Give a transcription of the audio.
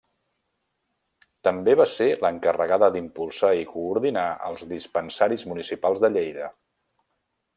També va ser l'encarregada d'impulsar i coordinar els dispensaris municipals de Lleida.